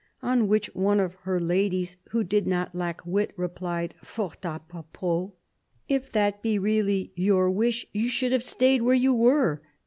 On which one of her ladies, who did not lack wit replied, fort a propos, ' If that be really your wish you should have stayed where you were.